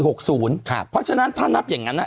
เพราะฉะนั้นถ้านับอย่างนั้น